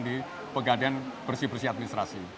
di pegadean bersih bersih administrasi